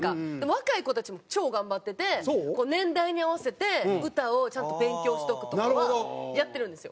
若い子たちも超頑張ってて年代に合わせて歌をちゃんと勉強しておくとかはやってるんですよ。